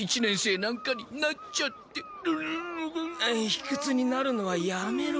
ひくつになるのはやめろ。